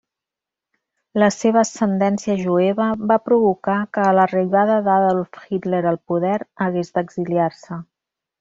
La seva ascendència jueva va provocar que a l'arribada d'Adolf Hitler al poder hagués d'exiliar-se.